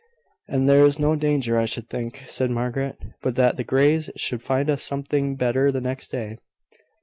"And there is no danger, I should think," said Margaret, "but that the Greys would find us something better the next day.